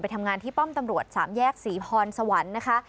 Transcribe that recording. ทำงานที่ป้อมตำรวจสามแยกศรีพรสวรรค์นะคะ